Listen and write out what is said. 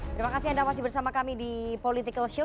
terima kasih anda masih bersama kami di political show